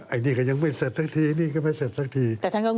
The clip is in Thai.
ไอ้นึกไอ้อย่างยังไม่เสร็จสักที